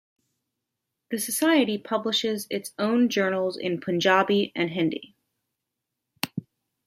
The society publishes its own journals in Punjabi and Hindi.